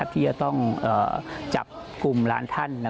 ที่จะต้องจับกลุ่มร้านท่าน